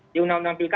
di undang undang pemda